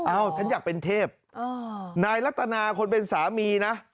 ฉันอยากเป็นเทพนายรัตนาคนเป็นสามีนะ